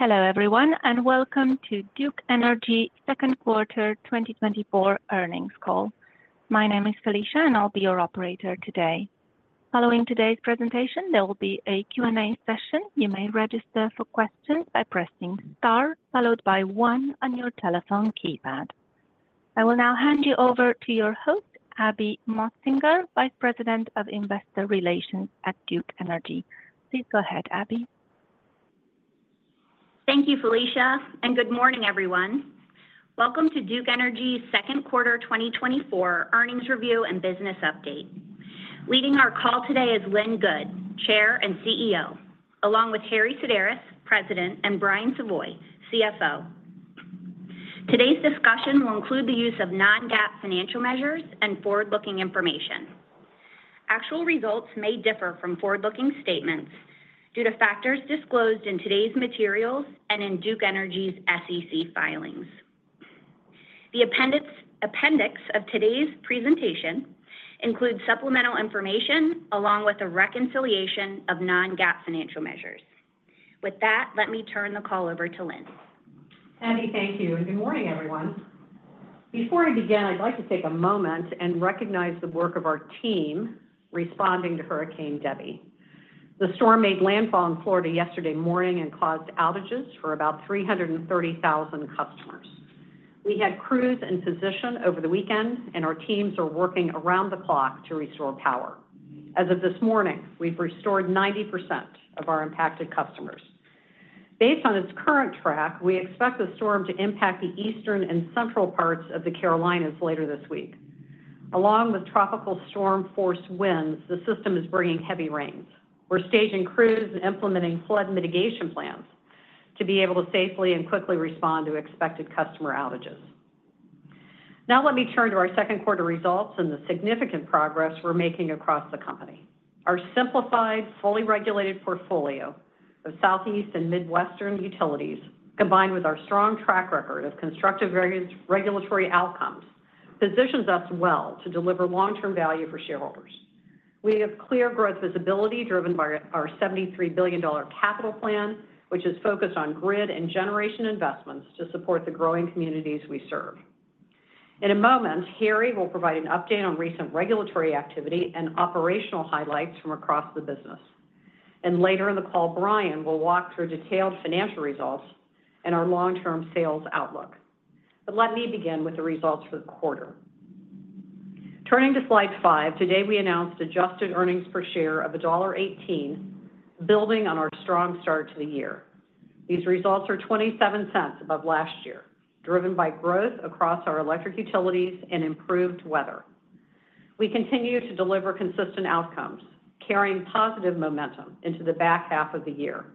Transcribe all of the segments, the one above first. Hello, everyone, and welcome to Duke Energy second quarter 2024 earnings call. My name is Felicia, and I'll be your operator today. Following today's presentation, there will be a Q&A session. You may register for questions by pressing Star, followed by one on your telephone keypad. I will now hand you over to your host, Abby Motsinger, Vice President of Investor Relations at Duke Energy. Please go ahead, Abby. Thank you, Felicia, and good morning, everyone. Welcome to Duke Energy's second quarter 2024 earnings review and business update. Leading our call today is Lynn Good, Chair and CEO, along with Harry Sideris, President, and Brian Savoy, CFO. Today's discussion will include the use of non-GAAP financial measures and forward-looking information. Actual results may differ from forward-looking statements due to factors disclosed in today's materials and in Duke Energy's SEC filings. The appendix of today's presentation includes supplemental information along with a reconciliation of non-GAAP financial measures. With that, let me turn the call over to Lynn. Abby, thank you, and good morning, everyone. Before I begin, I'd like to take a moment and recognize the work of our team responding to Hurricane Debby. The storm made landfall in Florida yesterday morning and caused outages for about 330,000 customers. We had crews in position over the weekend, and our teams are working around the clock to restore power. As of this morning, we've restored 90% of our impacted customers. Based on its current track, we expect the storm to impact the eastern and central parts of the Carolinas later this week. Along with tropical storm-force winds, the system is bringing heavy rains. We're staging crews and implementing flood mitigation plans to be able to safely and quickly respond to expected customer outages. Now, let me turn to our second quarter results and the significant progress we're making across the company. Our simplified, fully regulated portfolio of Southeast and Midwestern utilities, combined with our strong track record of constructive regulatory outcomes, positions us well to deliver long-term value for shareholders. We have clear growth visibility, driven by our $73 billion capital plan, which is focused on grid and generation investments to support the growing communities we serve. In a moment, Harry will provide an update on recent regulatory activity and operational highlights from across the business. And later in the call, Brian will walk through detailed financial results and our long-term sales outlook. But let me begin with the results for the quarter. Turning to slide 5, today, we announced adjusted earnings per share of $1.18, building on our strong start to the year. These results are $0.27 above last year, driven by growth across our electric utilities and improved weather. We continue to deliver consistent outcomes, carrying positive momentum into the back half of the year.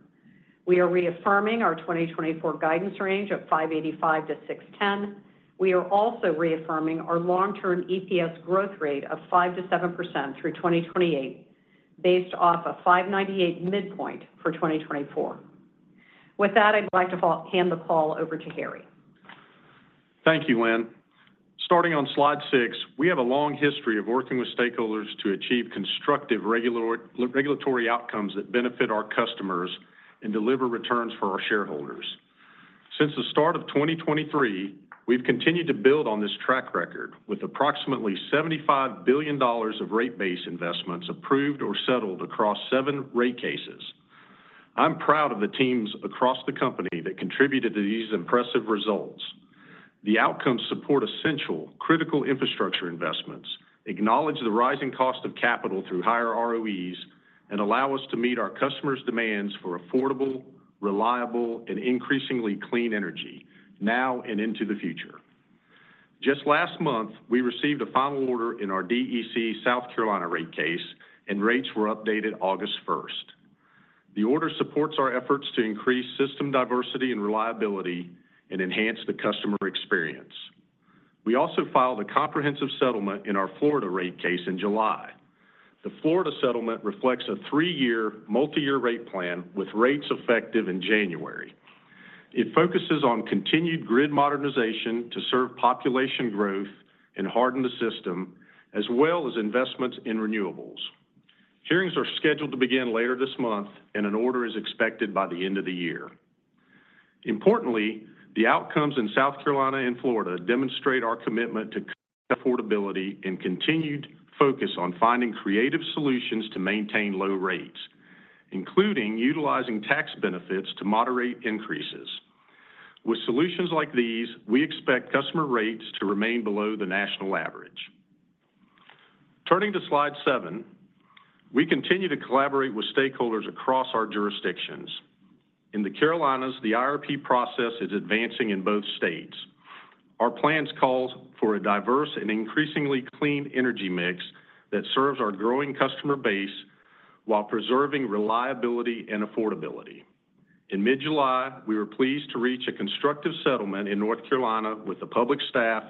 We are reaffirming our 2024 guidance range of $5.85-$6.10. We are also reaffirming our long-term EPS growth rate of 5%-7% through 2028, based off a $5.98 midpoint for 2024. With that, I'd like to hand the call over to Harry. Thank you, Lynn. Starting on slide 6, we have a long history of working with stakeholders to achieve constructive regulatory outcomes that benefit our customers and deliver returns for our shareholders. Since the start of 2023, we've continued to build on this track record with approximately $75 billion of rate base investments approved or settled across 7 rate cases. I'm proud of the teams across the company that contributed to these impressive results. The outcomes support essential, critical infrastructure investments, acknowledge the rising cost of capital through higher ROEs, and allow us to meet our customers' demands for affordable, reliable, and increasingly clean energy now and into the future. Just last month, we received a final order in our DEC South Carolina rate case, and rates were updated August first. The order supports our efforts to increase system diversity and reliability and enhance the customer experience. We also filed a comprehensive settlement in our Florida rate case in July. The Florida settlement reflects a 3-year, multi-year rate plan, with rates effective in January. It focuses on continued grid modernization to serve population growth and harden the system, as well as investments in renewables. Hearings are scheduled to begin later this month, and an order is expected by the end of the year. Importantly, the outcomes in South Carolina and Florida demonstrate our commitment to affordability and continued focus on finding creative solutions to maintain low rates, including utilizing tax benefits to moderate increases. With solutions like these, we expect customer rates to remain below the national average. Turning to slide 7, we continue to collaborate with stakeholders across our jurisdictions. In the Carolinas, the IRP process is advancing in both states. Our plans calls for a diverse and increasingly clean energy mix that serves our growing customer base while preserving reliability and affordability. In mid-July, we were pleased to reach a constructive settlement in North Carolina with the Public Staff,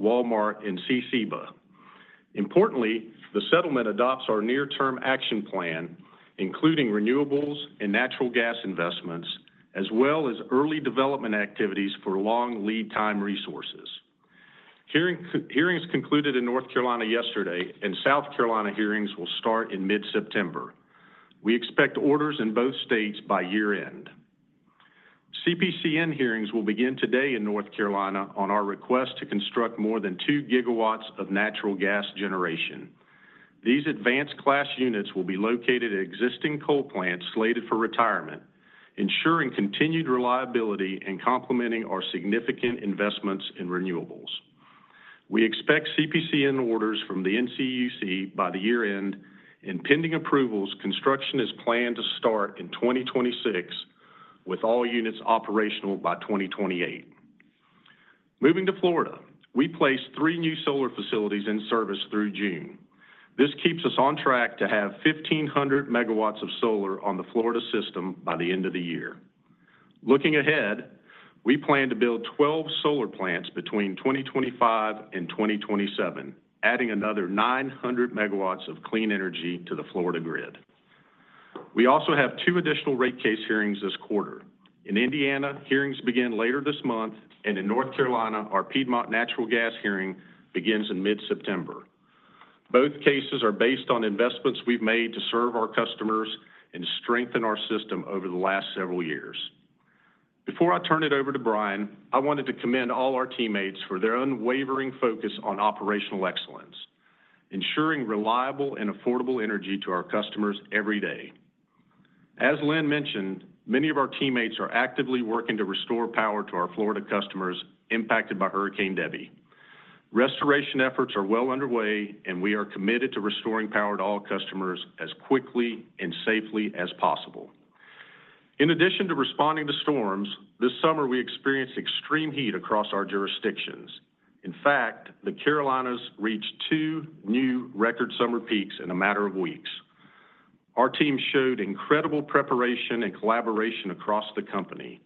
Walmart, and CCEBA. Importantly, the settlement adopts our near-term action plan, including renewables and natural gas investments, as well as early development activities for long lead time resources.... Hearings hearings concluded in North Carolina yesterday, and South Carolina hearings will start in mid-September. We expect orders in both states by year-end. CPCN hearings will begin today in North Carolina on our request to construct more than 2 gigawatts of natural gas generation. These advanced class units will be located at existing coal plants slated for retirement, ensuring continued reliability and complementing our significant investments in renewables. We expect CPCN orders from the NCUC by the year-end, and pending approvals, construction is planned to start in 2026, with all units operational by 2028. Moving to Florida, we placed three new solar facilities in service through June. This keeps us on track to have 1,500 megawatts of solar on the Florida system by the end of the year. Looking ahead, we plan to build 12 solar plants between 2025 and 2027, adding another 900 megawatts of clean energy to the Florida grid. We also have two additional rate case hearings this quarter. In Indiana, hearings begin later this month, and in North Carolina, our Piedmont Natural Gas hearing begins in mid-September. Both cases are based on investments we've made to serve our customers and strengthen our system over the last several years. Before I turn it over to Brian, I wanted to commend all our teammates for their unwavering focus on operational excellence, ensuring reliable and affordable energy to our customers every day. As Lynn mentioned, many of our teammates are actively working to restore power to our Florida customers impacted by Hurricane Debby. Restoration efforts are well underway, and we are committed to restoring power to all customers as quickly and safely as possible. In addition to responding to storms, this summer we experienced extreme heat across our jurisdictions. In fact, the Carolinas reached two new record summer peaks in a matter of weeks. Our team showed incredible preparation and collaboration across the company.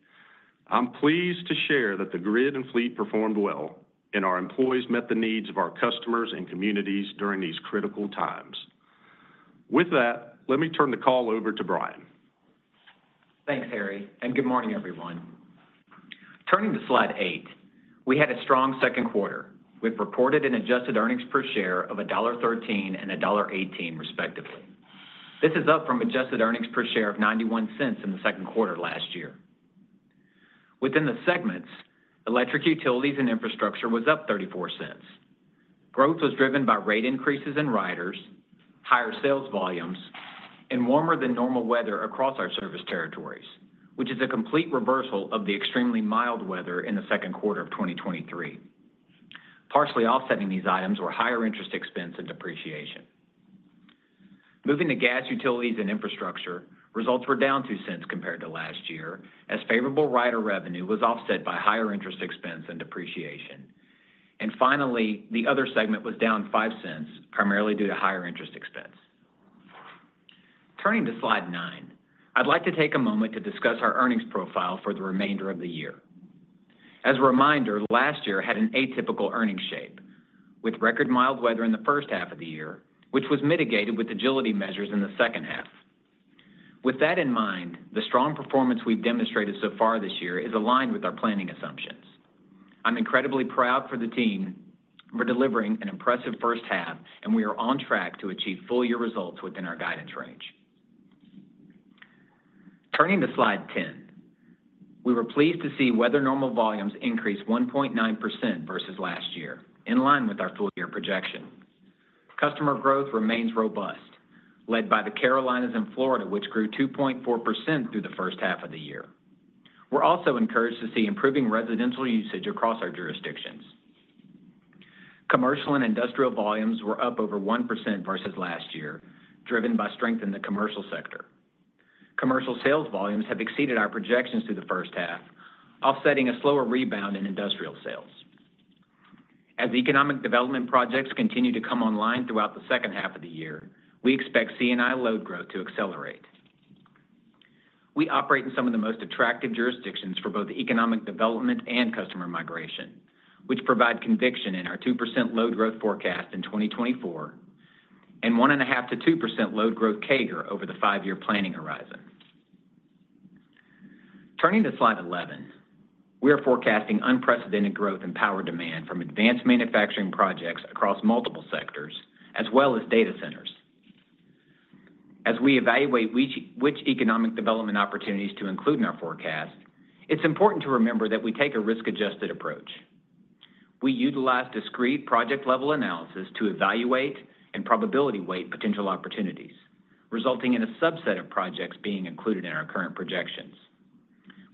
I'm pleased to share that the grid and fleet performed well, and our employees met the needs of our customers and communities during these critical times. With that, let me turn the call over to Brian. Thanks, Harry, and good morning, everyone. Turning to slide 8, we had a strong second quarter with reported and adjusted earnings per share of $1.13 and $1.18, respectively. This is up from adjusted earnings per share of $0.91 in the second quarter last year. Within the segments, Electric Utilities and Infrastructure was up $0.34. Growth was driven by rate increases in riders, higher sales volumes, and warmer than normal weather across our service territories, which is a complete reversal of the extremely mild weather in the second quarter of 2023. Partially offsetting these items were higher interest expense and depreciation. Moving to Gas Utilities and Infrastructure, results were down $0.02 compared to last year, as favorable rider revenue was offset by higher interest expense and depreciation. And finally, the Other segment was down $0.05, primarily due to higher interest expense. Turning to slide 9, I'd like to take a moment to discuss our earnings profile for the remainder of the year. As a reminder, last year had an atypical earnings shape, with record mild weather in the first half of the year, which was mitigated with agility measures in the second half. With that in mind, the strong performance we've demonstrated so far this year is aligned with our planning assumptions. I'm incredibly proud for the team for delivering an impressive first half, and we are on track to achieve full-year results within our guidance range. Turning to slide 10, we were pleased to see weather normal volumes increase 1.9% versus last year, in line with our full-year projection. Customer growth remains robust, led by the Carolinas and Florida, which grew 2.4% through the first half of the year. We're also encouraged to see improving residential usage across our jurisdictions. Commercial and industrial volumes were up over 1% versus last year, driven by strength in the commercial sector. Commercial sales volumes have exceeded our projections through the first half, offsetting a slower rebound in industrial sales. As economic development projects continue to come online throughout the second half of the year, we expect CNI load growth to accelerate. We operate in some of the most attractive jurisdictions for both economic development and customer migration, which provide conviction in our 2% load growth forecast in 2024, and 1.5%-2% load growth CAGR over the five-year planning horizon. Turning to slide 11, we are forecasting unprecedented growth in power demand from advanced manufacturing projects across multiple sectors, as well as data centers. As we evaluate which economic development opportunities to include in our forecast, it's important to remember that we take a risk-adjusted approach. We utilize discrete project-level analysis to evaluate and probability weight potential opportunities, resulting in a subset of projects being included in our current projections.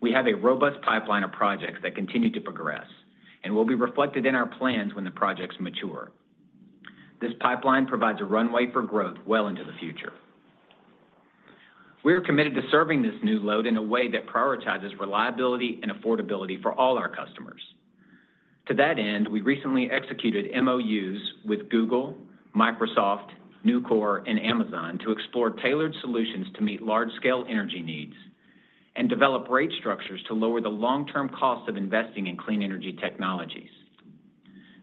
We have a robust pipeline of projects that continue to progress and will be reflected in our plans when the projects mature. This pipeline provides a runway for growth well into the future. We are committed to serving this new load in a way that prioritizes reliability and affordability for all our customers. To that end, we recently executed MOUs with Google, Microsoft, Nucor, and Amazon to explore tailored solutions to meet large-scale energy needs and develop rate structures to lower the long-term costs of investing in clean energy technologies.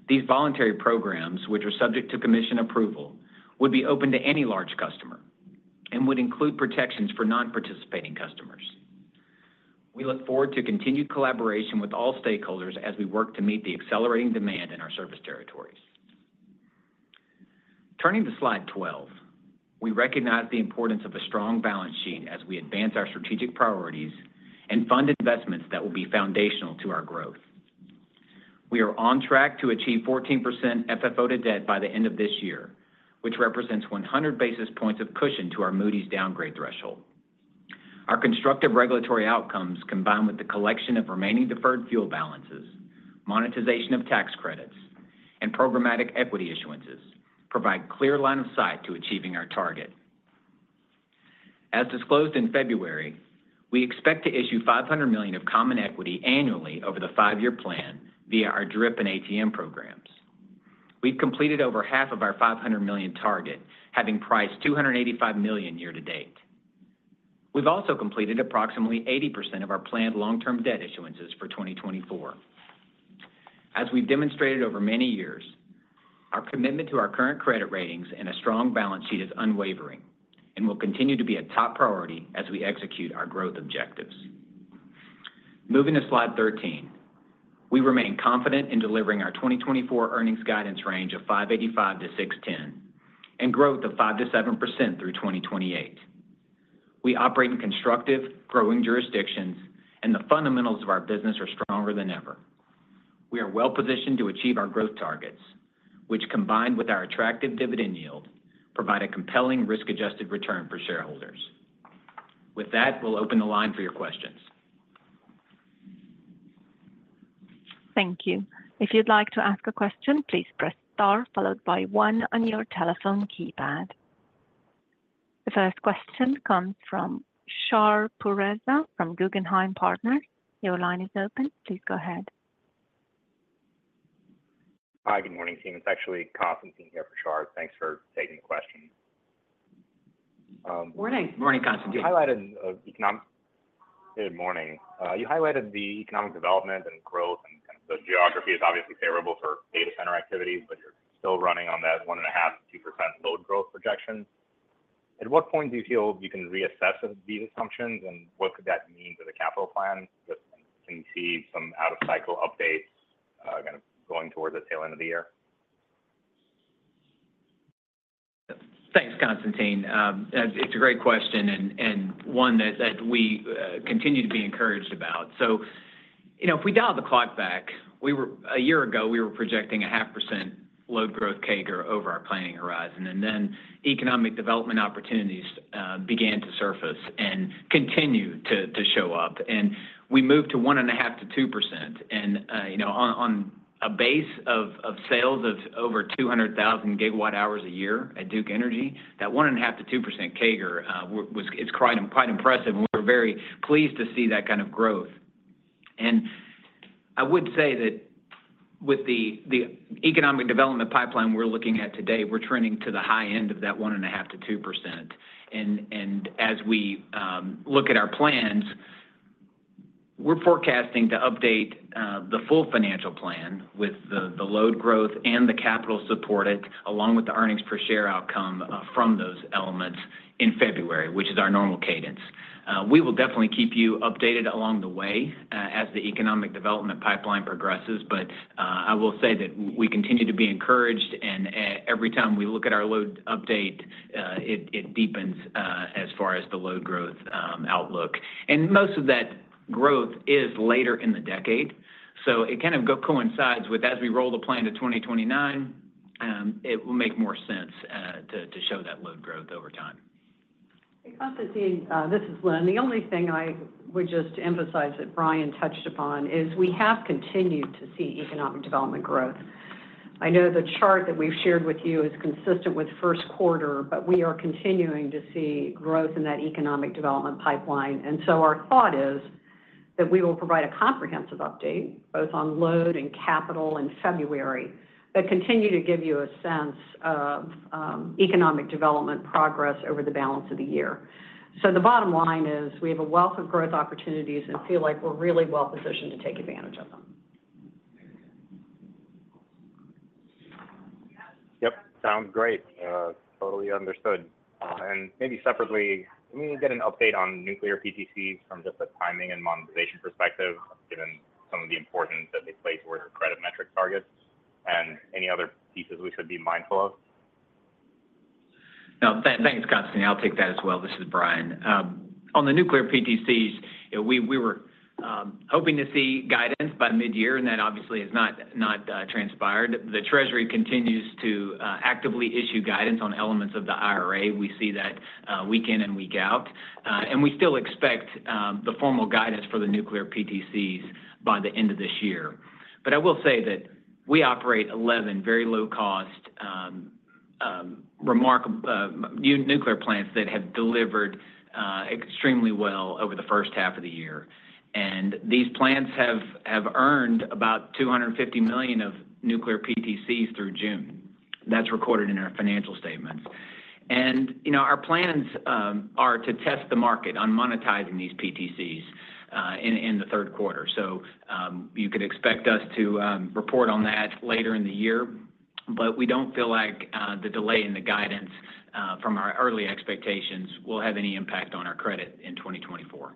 These voluntary programs, which are subject to commission approval, would be open to any large customer and would include protections for non-participating customers. We look forward to continued collaboration with all stakeholders as we work to meet the accelerating demand in our service territories. Turning to slide 12, we recognize the importance of a strong balance sheet as we advance our strategic priorities and fund investments that will be foundational to our growth. We are on track to achieve 14% FFO to debt by the end of this year, which represents 100 basis points of cushion to our Moody's downgrade threshold. Our constructive regulatory outcomes, combined with the collection of remaining deferred fuel balances, monetization of tax credits, and programmatic equity issuances, provide clear line of sight to achieving our target. As disclosed in February, we expect to issue $500 million of common equity annually over the five-year plan via our DRIP and ATM programs. We've completed over half of our $500 million target, having priced $285 million year to date. We've also completed approximately 80% of our planned long-term debt issuances for 2024. As we've demonstrated over many years, our commitment to our current credit ratings and a strong balance sheet is unwavering and will continue to be a top priority as we execute our growth objectives. Moving to slide 13. We remain confident in delivering our 2024 earnings guidance range of $5.85-$6.10, and growth of 5%-7% through 2028. We operate in constructive, growing jurisdictions, and the fundamentals of our business are stronger than ever. We are well positioned to achieve our growth targets, which, combined with our attractive dividend yield, provide a compelling risk-adjusted return for shareholders. With that, we'll open the line for your questions. Thank you. If you'd like to ask a question, please press Star, followed by one on your telephone keypad. The first question comes from Shar Pourreza from Guggenheim Partners. Your line is open. Please go ahead. Hi, good morning, team. It's actually Constantine here for Shar. Thanks for taking the question. Morning. Morning, Constantine. Good morning. You highlighted the economic development and growth, and kind of the geography is obviously favorable for data center activities, but you're still running on that 1.5%-2% load growth projection. At what point do you feel you can reassess these assumptions, and what could that mean for the capital plan? Can you see some out-of-cycle updates, kind of, going towards the tail end of the year? Thanks, Constantine. It's a great question and one that we continue to be encouraged about. So, you know, if we dial the clock back, we were a year ago projecting a 0.5% load growth CAGR over our planning horizon, and then economic development opportunities began to surface and continued to show up. And we moved to 1.5%-2% and, you know, on a base of sales of over 200,000 GWh a year at Duke Energy, that 1.5%-2% CAGR was. It's quite impressive, and we're very pleased to see that kind of growth. I would say that with the economic development pipeline we're looking at today, we're trending to the high end of that 1.5%-2%. And as we look at our plans, we're forecasting to update the full financial plan with the load growth and the capital support it, along with the earnings per share outcome from those elements in February, which is our normal cadence. We will definitely keep you updated along the way as the economic development pipeline progresses, but I will say that we continue to be encouraged, and every time we look at our load update, it deepens as far as the load growth outlook. Most of that growth is later in the decade, so it kind of coincides with, as we roll the plan to 2029, it will make more sense to show that load growth over time. Hey, Constantine, this is Lynn. The only thing I would just emphasize that Brian touched upon is we have continued to see economic development growth. I know the chart that we've shared with you is consistent with first quarter, but we are continuing to see growth in that economic development pipeline. And so our thought is that we will provide a comprehensive update, both on load and capital in February, but continue to give you a sense of economic development progress over the balance of the year. So the bottom line is, we have a wealth of growth opportunities and feel like we're really well positioned to take advantage of them. Yep. Sounds great. Totally understood. And maybe separately, can we get an update on nuclear PTCs from just a timing and monetization perspective, given some of the importance that they place toward the credit metric targets and any other pieces we should be mindful of? No, thanks, Constantine. I'll take that as well. This is Brian. On the nuclear PTCs, we were hoping to see guidance by midyear, and that obviously has not transpired. The Treasury continues to actively issue guidance on elements of the IRA. We see that week in and week out, and we still expect the formal guidance for the nuclear PTCs by the end of this year. But I will say that we operate 11 very low-cost nuclear plants that have delivered extremely well over the first half of the year. And these plants have earned about $250 million of nuclear PTCs through June. That's recorded in our financial statements. And, you know, our plans are to test the market on monetizing these PTCs in the third quarter. So, you could expect us to report on that later in the year. But we don't feel like the delay in the guidance from our early expectations will have any impact on our credit in 2024.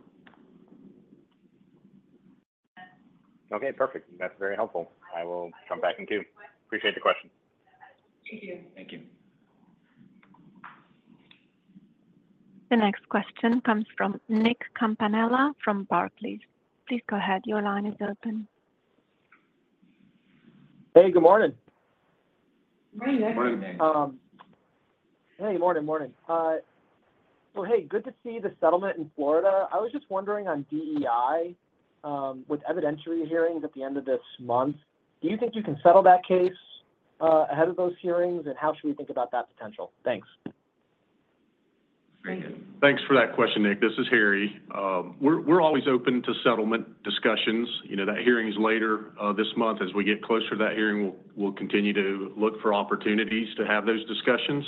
Okay, perfect. That's very helpful. I will come back in queue. Appreciate the question. Thank you. Thank you. The next question comes from Nick Campanella from Barclays. Please go ahead. Your line is open. Hey, good morning. Good morning, Nick. Morning, Nick. Hey, morning, morning. So, hey, good to see the settlement in Florida. I was just wondering on DEI, with evidentiary hearings at the end of this month, do you think you can settle that case, ahead of those hearings? And how should we think about that potential? Thanks. Harry. Thanks for that question, Nick. This is Harry. We're always open to settlement discussions. You know, that hearing is later this month. As we get closer to that hearing, we'll continue to look for opportunities to have those discussions.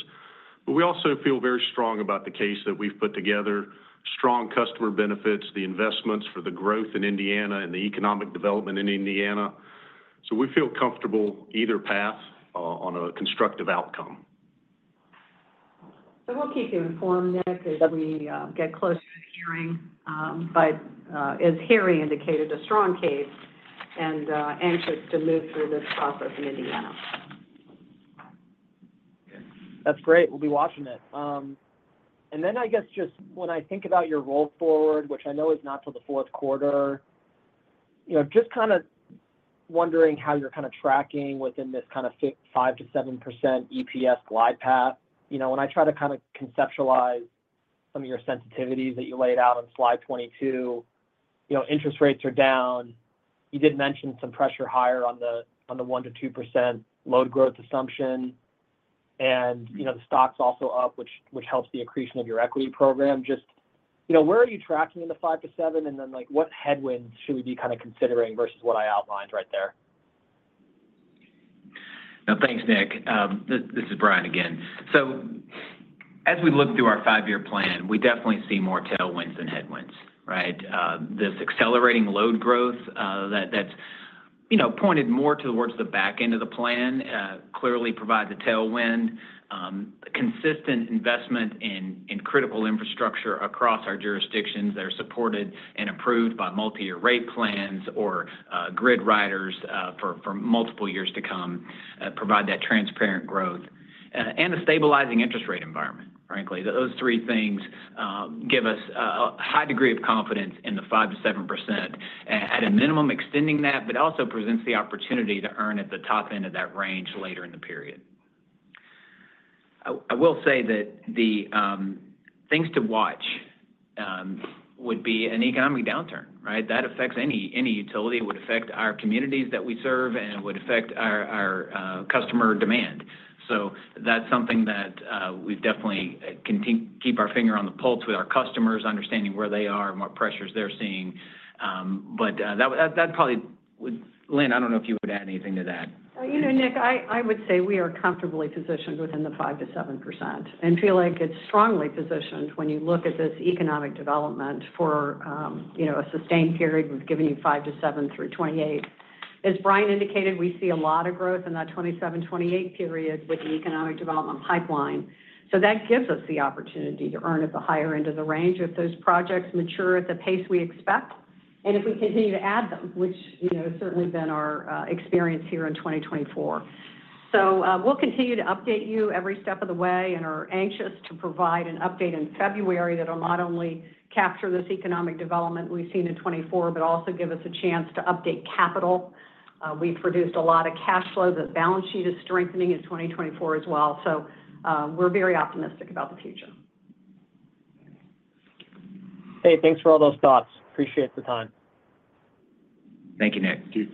But we also feel very strong about the case that we've put together. Strong customer benefits, the investments for the growth in Indiana and the economic development in Indiana. So we feel comfortable either path on a constructive outcome. So we'll keep you informed, Nick, as we get closer to the hearing. But, as Harry indicated, a strong case and anxious to move through this process in Indiana. That's great. We'll be watching it. And then I guess just when I think about your roll forward, which I know is not till the fourth quarter, you know, just kind of wondering how you're kind of tracking within this kind of 5%-7% EPS glide path. You know, when I try to kind of conceptualize some of your sensitivities that you laid out on slide 22, you know, interest rates are down. You did mention some pressure higher on the 1%-2% load growth assumption. And, you know, the stock's also up, which helps the accretion of your equity program. Just, you know, where are you tracking in the 5-7? And then, like, what headwinds should we be kind of considering versus what I outlined right there? Now, thanks, Nick. This is Brian again. So as we look through our five-year plan, we definitely see more tailwinds than headwinds, right? This accelerating load growth, that's, you know, pointed more towards the back end of the plan, clearly provides a tailwind. Consistent investment in critical infrastructure across our jurisdictions that are supported and approved by multi-year rate plans or grid riders for multiple years to come provide that transparent growth and a stabilizing interest rate environment. Frankly, those three things give us a high degree of confidence in the 5%-7%, at a minimum, extending that, but also presents the opportunity to earn at the top end of that range later in the period. I will say that the things to watch would be an economic downturn, right? That affects any utility. It would affect our communities that we serve, and it would affect our customer demand. So that's something that we definitely keep our finger on the pulse with our customers, understanding where they are and what pressures they're seeing. But, that'd probably, Lynn, I don't know if you would add anything to that. You know, Nick, I would say we are comfortably positioned within the 5%-7% and feel like it's strongly positioned when you look at this economic development for, you know, a sustained period. We've given you 5%-7% through 2028. As Brian indicated, we see a lot of growth in that 2027, 2028 period with the economic development pipeline. So that gives us the opportunity to earn at the higher end of the range if those projects mature at the pace we expect and if we continue to add them, which, you know, has certainly been our experience here in 2024. So, we'll continue to update you every step of the way and are anxious to provide an update in February that will not only capture this economic development we've seen in 2024, but also give us a chance to update capital. We've produced a lot of cash flow. The balance sheet is strengthening in 2024 as well, so, we're very optimistic about the future. Hey, thanks for all those thoughts. Appreciate the time. Thank you, Nick. Thank you.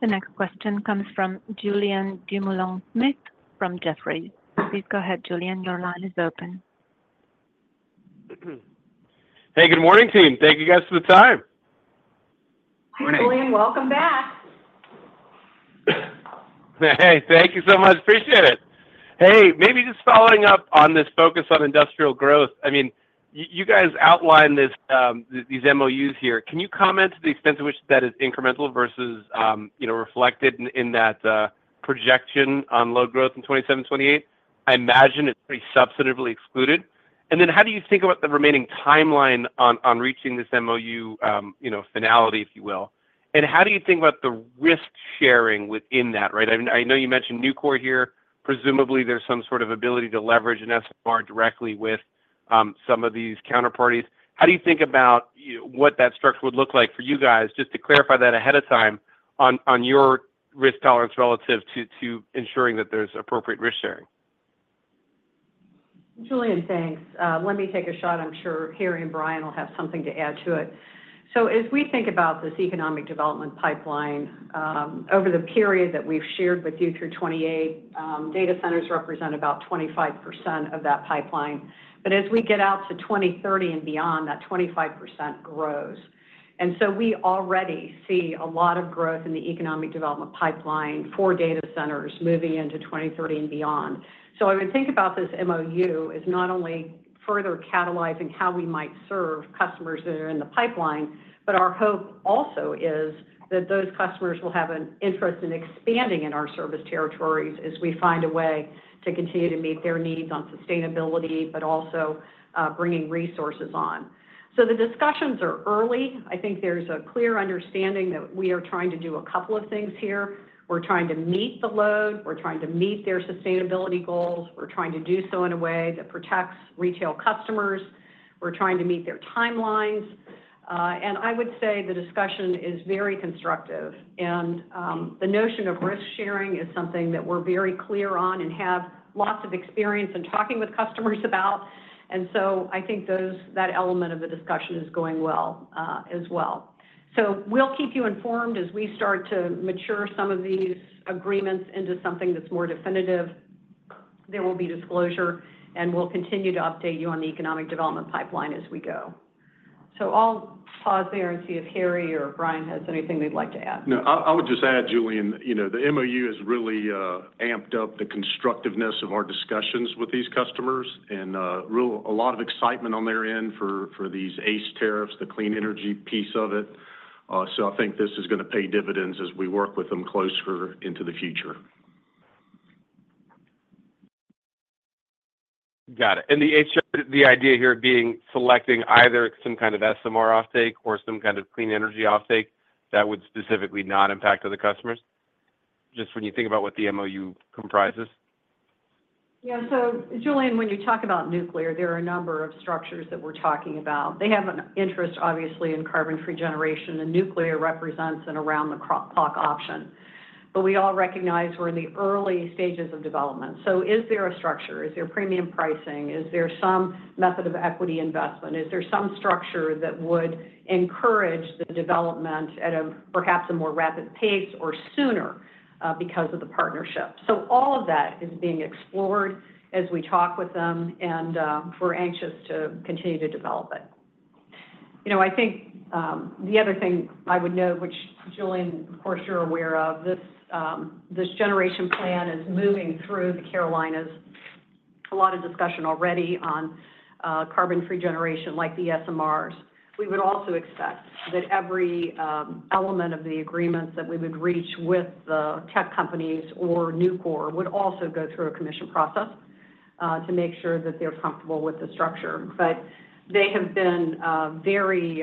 The next question comes from Julien Dumoulin-Smith from Jefferies. Please go ahead, Julien, your line is open. Hey, good morning, team. Thank you, guys, for the time. Hi, Julian. Welcome back. Hey, thank you so much. Appreciate it. Hey, maybe just following up on this focus on industrial growth. I mean, you, you guys outlined this, these MOUs here. Can you comment to the extent to which that is incremental versus, you know, reflected in that projection on load growth in 2027, 2028? I imagine it's pretty substantively excluded. And then how do you think about the remaining timeline on reaching this MOU, you know, finality, if you will? And how do you think about the risk-sharing within that, right? I, I know you mentioned Nucor here. Presumably, there's some sort of ability to leverage an SMR directly with some of these counterparties. How do you think about what that structure would look like for you guys, just to clarify that ahead of time on your risk tolerance relative to ensuring that there's appropriate risk sharing? Julian, thanks. Let me take a shot. I'm sure Harry and Brian will have something to add to it. So as we think about this economic development pipeline, over the period that we've shared with you through 2028, data centers represent about 25% of that pipeline. But as we get out to 2030 and beyond, that 25% grows. And so we already see a lot of growth in the economic development pipeline for data centers moving into 2030 and beyond. So I would think about this MOU as not only further catalyzing how we might serve customers that are in the pipeline, but our hope also is that those customers will have an interest in expanding in our service territories as we find a way to continue to meet their needs on sustainability, but also bringing resources on. So the discussions are early. I think there's a clear understanding that we are trying to do a couple of things here. We're trying to meet the load, we're trying to meet their sustainability goals, we're trying to do so in a way that protects retail customers, we're trying to meet their timelines. And I would say the discussion is very constructive, and the notion of risk sharing is something that we're very clear on and have lots of experience in talking with customers about. And so I think that element of the discussion is going well, as well. So we'll keep you informed as we start to mature some of these agreements into something that's more definitive. There will be disclosure, and we'll continue to update you on the economic development pipeline as we go. So I'll pause there and see if Harry or Brian has anything they'd like to add. No, I, I would just add, Julian, you know, the MOU has really amped up the constructiveness of our discussions with these customers, and a lot of excitement on their end for, for these ACE tariffs, the clean energy piece of it. So I think this is gonna pay dividends as we work with them closer into the future. Got it. And the ACE, the idea here being selecting either some kind of SMR offtake or some kind of clean energy offtake that would specifically not impact other customers? Just when you think about what the MOU comprises. Yeah. So, Julian, when you talk about nuclear, there are a number of structures that we're talking about. They have an interest, obviously, in carbon-free generation, and nuclear represents an around-the-clock option. But we all recognize we're in the early stages of development. So is there a structure? Is there premium pricing? Is there some method of equity investment? Is there some structure that would encourage the development at a, perhaps, a more rapid pace or sooner, because of the partnership? So all of that is being explored as we talk with them, and we're anxious to continue to develop it. You know, I think, the other thing I would note, which, Julian, of course, you're aware of, this generation plan is moving through the Carolinas. A lot of discussion already on carbon-free generation, like the SMRs. We would also expect that every element of the agreements that we would reach with the tech companies or Nucor would also go through a commission process to make sure that they're comfortable with the structure. But they have been very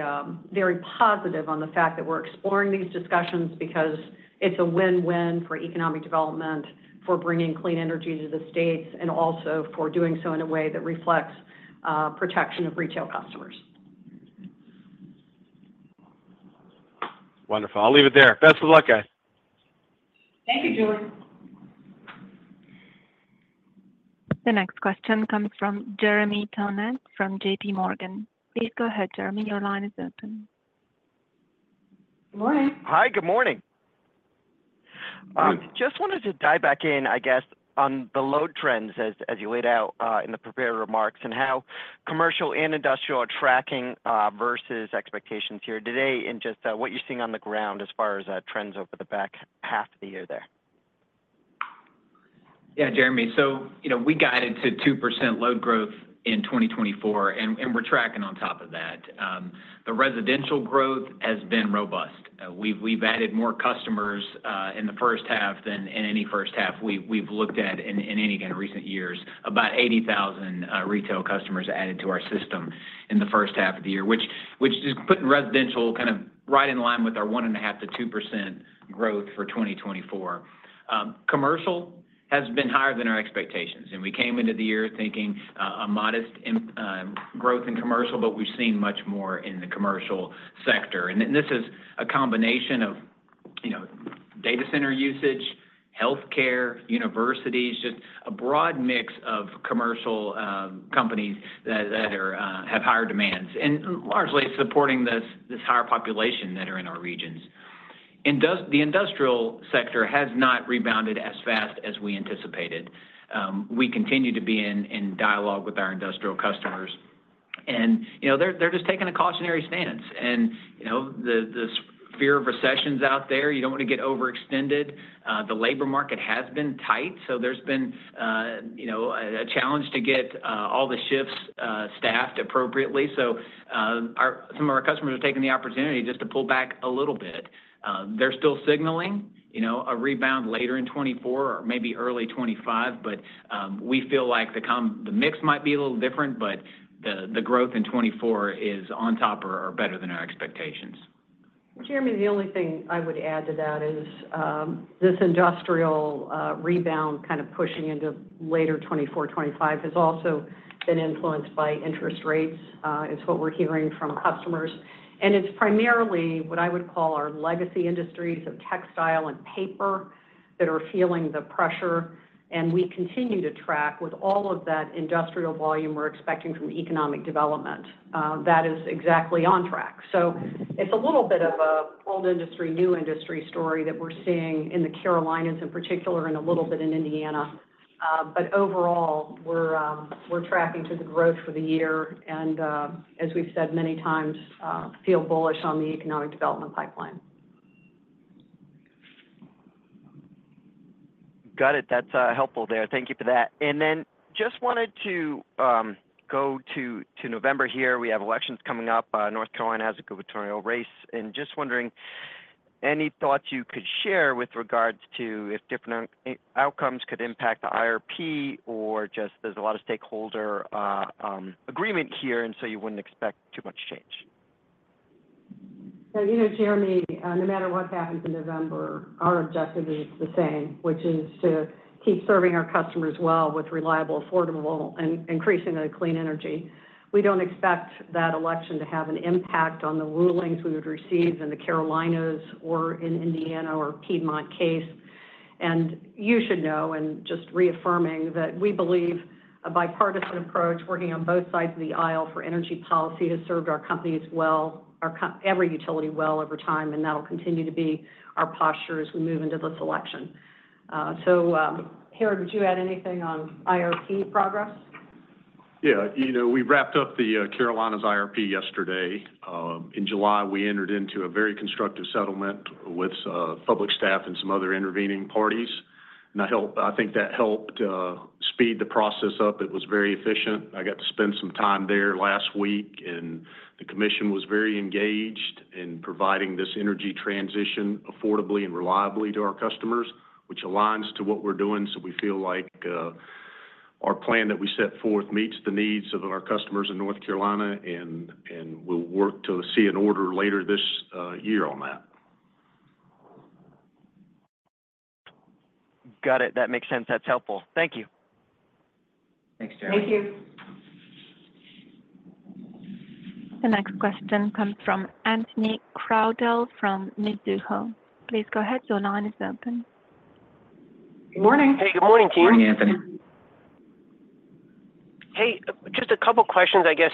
very positive on the fact that we're exploring these discussions because it's a win-win for economic development, for bringing clean energy to the states, and also for doing so in a way that reflects protection of retail customers. Wonderful. I'll leave it there. Best of luck, guys. Thank you, Julian. The next question comes from Jeremy Tonet from J.P. Morgan. Please go ahead, Jeremy. Your line is open. Good morning. Hi, good morning. Good- Just wanted to dive back in, I guess, on the load trends as you laid out in the prepared remarks, and how commercial and industrial are tracking versus expectations here today, and just what you're seeing on the ground as far as trends over the back half of the year there. Yeah, Jeremy, so you know, we guided to 2% load growth in 2024, and we're tracking on top of that. The residential growth has been robust. We've added more customers in the first half than in any first half we've looked at in any recent years. About 80,000 retail customers added to our system in the first half of the year, which is putting residential kind of right in line with our 1.5%-2% growth for 2024. Commercial has been higher than our expectations, and we came into the year thinking a modest growth in commercial, but we've seen much more in the commercial sector. And then this is a combination of, you know, data center usage, healthcare, universities, just a broad mix of commercial companies that have higher demands, and largely supporting this higher population that are in our regions. The industrial sector has not rebounded as fast as we anticipated. We continue to be in dialogue with our industrial customers, and, you know, they're just taking a cautionary stance. And, you know, the fear of recession's out there, you don't want to get overextended. The labor market has been tight, so there's been, you know, a challenge to get all the shifts staffed appropriately. Some of our customers are taking the opportunity just to pull back a little bit. They're still signaling, you know, a rebound later in 2024 or maybe early 2025, but we feel like the mix might be a little different, but the growth in 2024 is on top or better than our expectations. Jeremy, the only thing I would add to that is, this industrial rebound kind of pushing into later 2024, 2025 has also been influenced by interest rates, is what we're hearing from customers. And it's primarily what I would call our legacy industries of textile and paper that are feeling the pressure, and we continue to track with all of that industrial volume we're expecting from economic development. That is exactly on track. So it's a little bit of a old industry, new industry story that we're seeing in the Carolinas, in particular, and a little bit in Indiana. But overall, we're tracking to the growth for the year, and, as we've said many times, feel bullish on the economic development pipeline. Got it. That's helpful there. Thank you for that. And then just wanted to go to November here. We have elections coming up. North Carolina has a gubernatorial race, and just wondering, any thoughts you could share with regards to if different outcomes could impact the IRP or just there's a lot of stakeholder agreement here, and so you wouldn't expect too much change? So, you know, Jeremy, no matter what happens in November, our objective is the same, which is to keep serving our customers well with reliable, affordable, and increasingly clean energy. We don't expect that election to have an impact on the rulings we would receive in the Carolinas or in Indiana or Piedmont case. And you should know, and just reaffirming, that we believe a bipartisan approach working on both sides of the aisle for energy policy has served our company as well, every utility well over time, and that will continue to be our posture as we move into this election. So, Harry, would you add anything on IRP progress? Yeah. You know, we wrapped up the Carolinas IRP yesterday. In July, we entered into a very constructive settlement with public staff and some other intervening parties, and I think that helped speed the process up. It was very efficient. I got to spend some time there last week, and the commission was very engaged in providing this energy transition affordably and reliably to our customers, which aligns to what we're doing. So we feel like our plan that we set forth meets the needs of our customers in North Carolina, and we'll work to see an order later this year on that. Got it. That makes sense. That's helpful. Thank you. Thanks, Jeremy. Thank you. The next question comes from Anthony Crowdell from Mizuho. Please go ahead. Your line is open. Good morning. Hey, good morning, team. Good morning, Anthony. Hey, just a couple questions. I guess,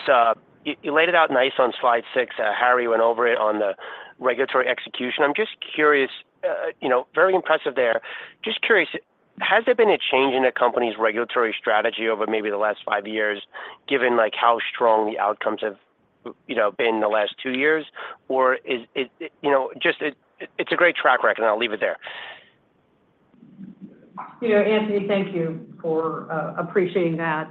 you, you laid it out nice on slide 6. Harry went over it on the regulatory execution. I'm just curious, you know, very impressive there. Just curious, has there been a change in the company's regulatory strategy over maybe the last 5 years, given, like, how strong the outcomes have, you know, been the last 2 years? Or is it, you know, just it, it's a great track record, and I'll leave it there. You know, Anthony, thank you for appreciating that.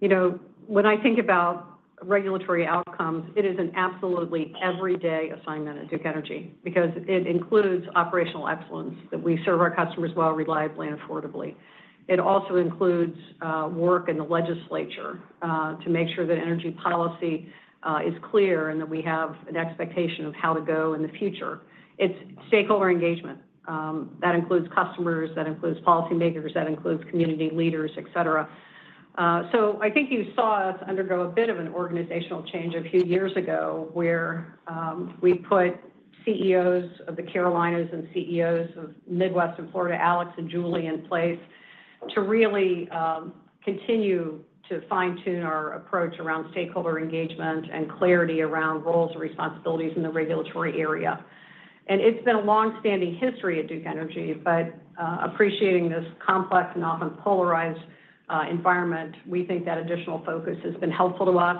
You know, when I think about regulatory outcomes, it is an absolutely everyday assignment at Duke Energy because it includes operational excellence, that we serve our customers well, reliably and affordably. It also includes work in the legislature to make sure that energy policy is clear and that we have an expectation of how to go in the future. It's stakeholder engagement that includes customers, that includes policymakers, that includes community leaders, et cetera. So I think you saw us undergo a bit of an organizational change a few years ago, where we put CEOs of the Carolinas and CEOs of Midwest and Florida, Alex and Julie, in place to really continue to fine-tune our approach around stakeholder engagement and clarity around roles and responsibilities in the regulatory area. It's been a long-standing history at Duke Energy, but, appreciating this complex and often polarized environment, we think that additional focus has been helpful to us,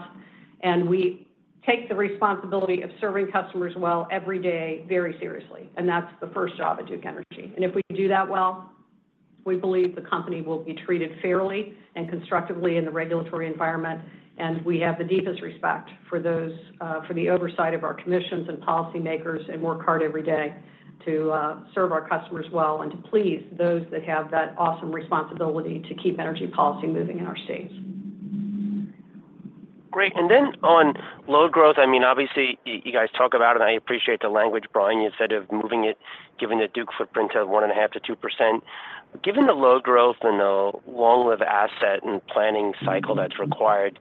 and we take the responsibility of serving customers well every day very seriously, and that's the first job at Duke Energy. If we do that well, we believe the company will be treated fairly and constructively in the regulatory environment. We have the deepest respect for those, for the oversight of our commissions and policymakers and work hard every day to serve our customers well and to please those that have that awesome responsibility to keep energy policy moving in our states. Great. And then on load growth, I mean, obviously, you, you guys talk about it, and I appreciate the language, Brian, you said of moving it, giving the Duke footprint of 1.5%-2%. Given the load growth and the long-lived asset and planning cycle that's required,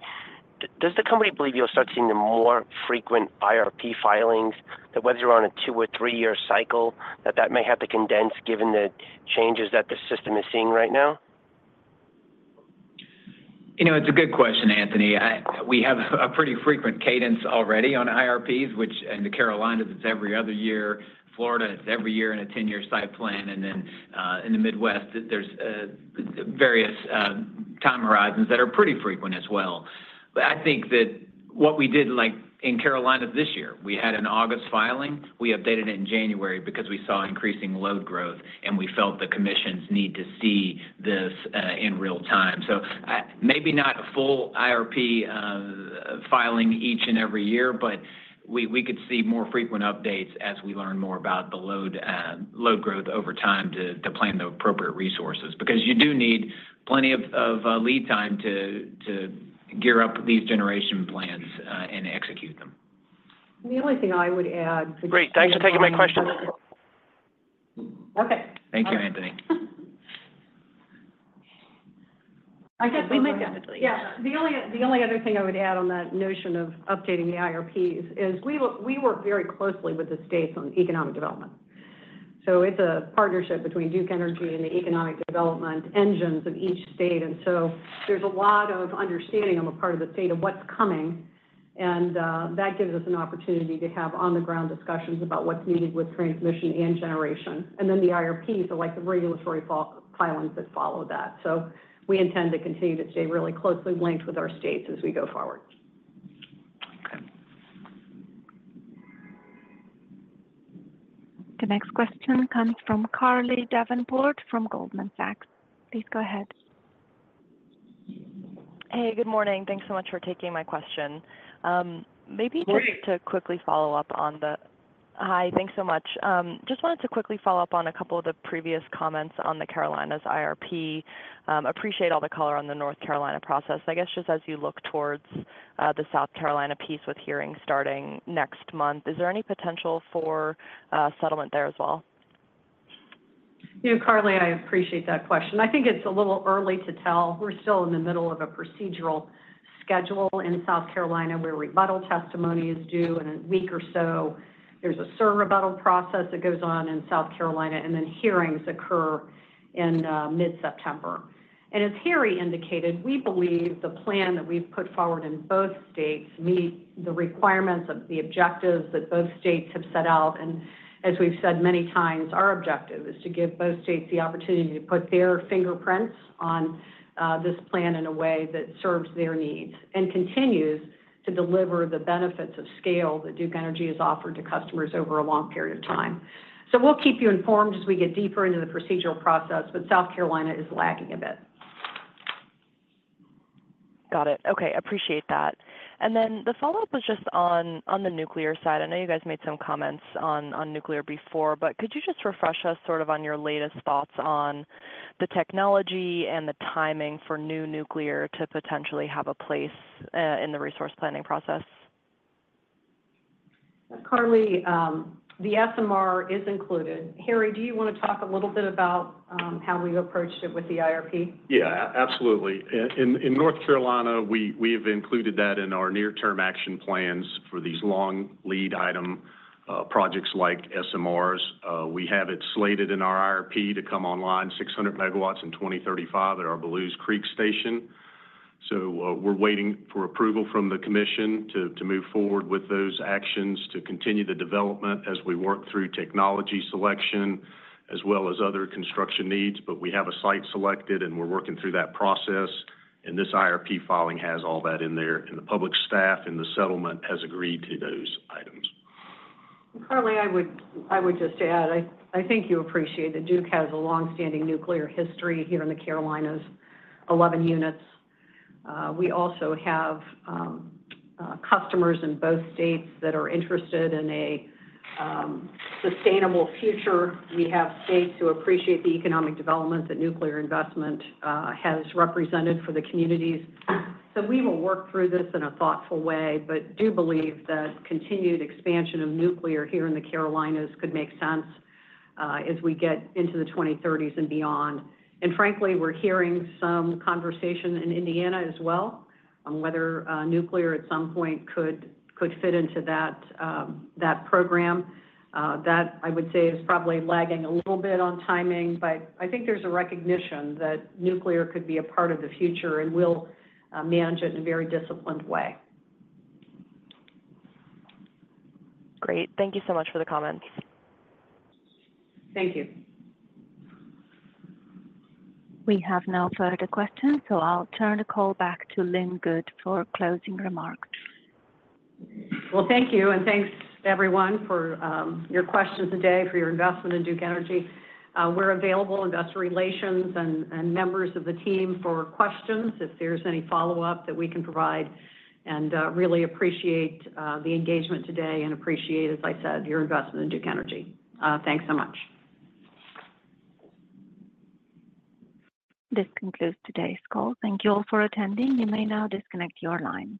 does the company believe you'll start seeing the more frequent IRP filings, that whether you're on a 2- or 3-year cycle, that that may have to condense given the changes that the system is seeing right now? You know, it's a good question, Anthony. We have a pretty frequent cadence already on IRPs, which in the Carolinas, it's every other year. Florida, it's every year in a 10-year site plan, and then in the Midwest, there's various time horizons that are pretty frequent as well. But I think that what we did, like in Carolinas this year, we had an August filing. We updated it in January because we saw increasing load growth, and we felt the commissions need to see this in real time. So, maybe not a full IRP filing each and every year, but we, we could see more frequent updates as we learn more about the load load growth over time to to plan the appropriate resources. Because you do need plenty of lead time to gear up these generation plans, and execute them. The only thing I would add- Great. Thanks for taking my questions. Okay. Thank you, Anthony. I guess we might- Yeah. The only other thing I would add on that notion of updating the IRPs is we work very closely with the states on economic development. So it's a partnership between Duke Energy and the economic development engines of each state, and so there's a lot of understanding on the part of the state of what's coming. And that gives us an opportunity to have on-the-ground discussions about what's needed with transmission and generation. And then the IRP, so like the regulatory filings that follow that. So we intend to continue to stay really closely linked with our states as we go forward. Okay. The next question comes from Carly Davenport from Goldman Sachs. Please go ahead. Hey, good morning. Thanks so much for taking my question. Maybe just- Great Hi, thanks so much. Just wanted to quickly follow up on a couple of the previous comments on the Carolinas IRP. Appreciate all the color on the North Carolina process. I guess, just as you look towards, the South Carolina piece with hearings starting next month, is there any potential for settlement there as well? You know, Carly, I appreciate that question. I think it's a little early to tell. We're still in the middle of a procedural schedule in South Carolina, where rebuttal testimony is due in a week or so. There's a servll rebuttal process that goes on in South Carolina, and then hearings occur in mid-September. And as Harry indicated, we believe the plan that we've put forward in both states meet the requirements of the objectives that both states have set out. And as we've said many times, our objective is to give both states the opportunity to put their fingerprints on this plan in a way that serves their needs and continues to deliver the benefits of scale that Duke Energy has offered to customers over a long period of time. We'll keep you informed as we get deeper into the procedural process, but South Carolina is lagging a bit. Got it. Okay, appreciate that. And then the follow-up was just on, on the nuclear side. I know you guys made some comments on, on nuclear before, but could you just refresh us sort of on your latest thoughts on the technology and the timing for new nuclear to potentially have a place in the resource planning process? Carly, the SMR is included. Harry, do you want to talk a little bit about how we approached it with the IRP? Yeah, absolutely. In North Carolina, we've included that in our near-term action plans for these long lead item projects like SMRs. We have it slated in our IRP to come online, 600 MW in 2035 at our Belews Creek station. So, we're waiting for approval from the commission to move forward with those actions to continue the development as we work through technology selection, as well as other construction needs. But we have a site selected, and we're working through that process, and this IRP filing has all that in there, and the Public Staff and the settlement has agreed to those items. And Carly, I would just add, I think you appreciate that Duke has a long-standing nuclear history here in the Carolinas, 11 units. We also have customers in both states that are interested in a sustainable future. We have states who appreciate the economic development that nuclear investment has represented for the communities. So we will work through this in a thoughtful way, but do believe that continued expansion of nuclear here in the Carolinas could make sense, as we get into the 2030s and beyond. And frankly, we're hearing some conversation in Indiana as well on whether nuclear at some point could fit into that program. That, I would say, is probably lagging a little bit on timing, but I think there's a recognition that nuclear could be a part of the future, and we'll manage it in a very disciplined way. Great. Thank you so much for the comments. Thank you. We have no further questions, so I'll turn the call back to Lynn Good for closing remarks. Well, thank you, and thanks everyone for, your questions today, for your investment in Duke Energy. We're available, investor relations and members of the team, for questions if there's any follow-up that we can provide. Really appreciate the engagement today and appreciate, as I said, your investment in Duke Energy. Thanks so much. This concludes today's call. Thank you all for attending. You may now disconnect your line.